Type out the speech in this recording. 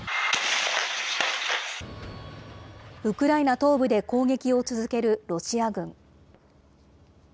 ウクライナ東部で攻撃を続けるロシア軍。